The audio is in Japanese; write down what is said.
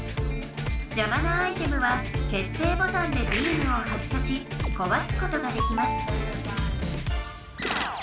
じゃまなアイテムは決定ボタンでビームを発射しこわすことができます